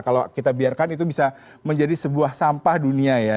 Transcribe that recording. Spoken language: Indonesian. kalau kita biarkan itu bisa menjadi sebuah sampah dunia ya